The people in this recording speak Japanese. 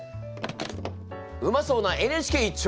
うまそうな「ＮＨＫ」一丁！